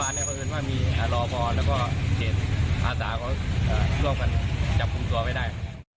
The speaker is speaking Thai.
อาสาเขาร่วมกันจับคุมตัวไปได้